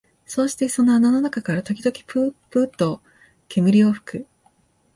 そうしてその穴の中から時々ぷうぷうと煙を吹く